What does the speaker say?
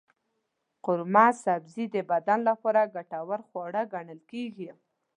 قورمه سبزي د بدن لپاره ګټور خواړه ګڼل کېږي.